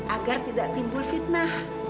agar tidak timbul fitnah